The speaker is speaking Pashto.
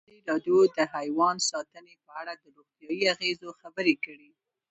ازادي راډیو د حیوان ساتنه په اړه د روغتیایي اغېزو خبره کړې.